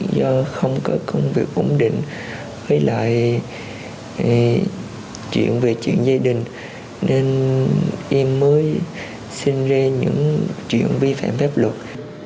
do không có công việc ổn định với lại chuyện về chuyện gia đình nên em mới xin lê những chuyện vi phạm phép luật